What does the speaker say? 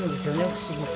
不思議と。